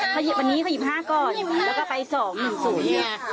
แล้วก็ไปส่องศูนย์